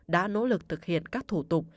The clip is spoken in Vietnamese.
đã nỗ lực thực hiện các thủ tục